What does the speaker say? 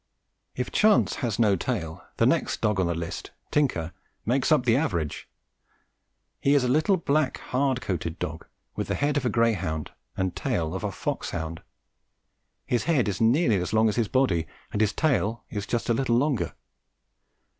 If Chance has no tail, the next dog on the list, "Tinker," makes up the average. He is a little black, hard coated dog, with the head of a greyhound and tail of a foxhound. His head is nearly as long as his body, and his tail is just a little longer.